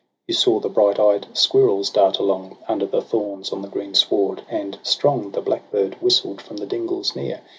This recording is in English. You saw the bright eyed squirrels dart along Under the thorns on the green sward ; and strong The blackbird whistled from the dingles near.